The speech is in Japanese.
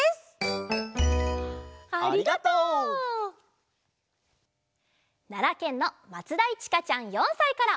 ありがとう！ならけんのまつだいちかちゃん４さいから。